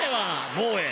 もうええ。